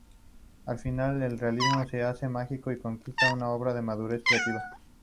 Al final, el realismo se hace mágico y conquista una obra de madurez creativa.